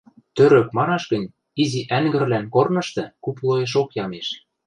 Тӧрӧк манаш гӹнь, изи ӓнгӹрвлӓн корнышты куп лоэшок ямеш.